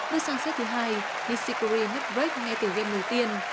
đưa sang set thứ hai nishikori hấp break ngay từ game đầu tiên